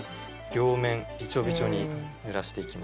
両面ビチョビチョに濡らしていきます。